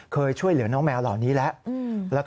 ช่วยเหลือน้องแมวเหล่านี้แล้ว